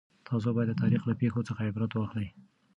تاسو باید د تاریخ له پېښو څخه عبرت واخلئ.